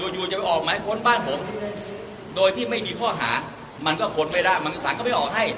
อยู่จะไปออกหมายค้นบ้านผมโดยที่ไม่มีข้อหามันก็ค้นไม่ได้มันสารก็ไม่ออกให้